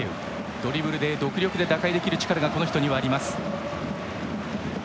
ドリブルで独力で打開できる力がこの人にはあります。